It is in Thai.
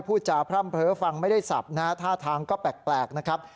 พูดจาพร่ำเพ้อฟังไม่ได้สับนะฮะท่าทางก็แปลกนะครับ